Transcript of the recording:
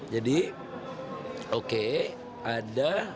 jadi oke ada